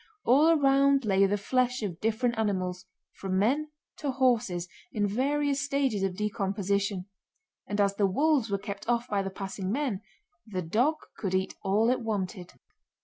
All around lay the flesh of different animals—from men to horses—in various stages of decomposition; and as the wolves were kept off by the passing men the dog could eat all it wanted.